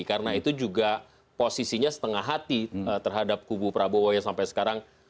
karena itu juga posisinya setengah hati terhadap kubu prabowo yang sampai sekarang